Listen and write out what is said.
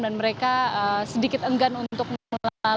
dan mereka sedikit enggan untuk melalui wilayah atau tol darurat kenteng